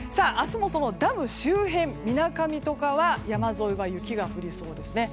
明日もダム周辺みなかみとかは山沿いは雪が降りそうです。